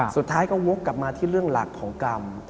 สุดท้ายก็วกกลับมาที่เรื่องหลักของกรรม